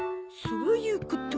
そういうことか。